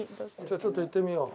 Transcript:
じゃあちょっと行ってみよう。